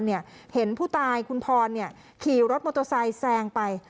เห็นผู้ตายคุณพรขี่รถมอเตอร์ไซค์แซงไป